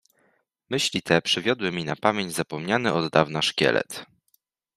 Myśli te przywiodły mi na pamięć zapomniany od dawna szkielet.